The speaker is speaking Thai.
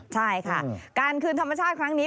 ใช่ค่ะการคืนธรรมชาติครั้งนี้